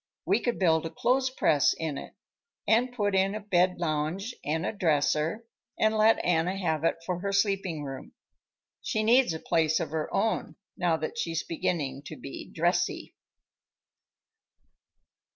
We could build a clothes press in it, and put in a bed lounge and a dresser and let Anna have it for her sleeping room. She needs a place of her own, now that she's beginning to be dressy."